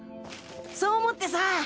そう思ってさ